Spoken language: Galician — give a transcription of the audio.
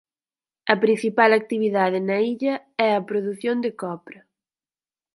A principal actividade na illa é a produción de copra.